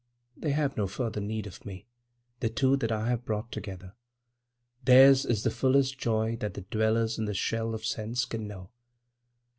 They have no further need of me, the two that I have brought together. Theirs is the fullest joy that the dwellers in the shell of sense can know.